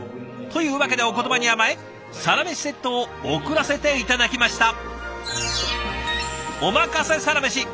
というわけでお言葉に甘え「サラメシ」セットを送らせて頂きました。